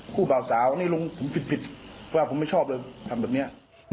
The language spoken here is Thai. บ่าวสาวนี่ลุงผมผิดว่าผมไม่ชอบเลยทำแบบนี้